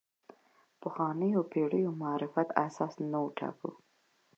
پخوانیو پېړیو معرفت اساس نه وټاکو.